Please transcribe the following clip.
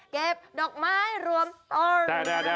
เก็บดอกไม้รวมต่อ